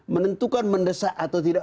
menentukan mendesak atau tidak